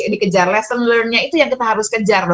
dikejar lesson learne nya itu yang kita harus kejar